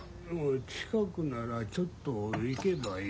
近くならちょっと行けばいい。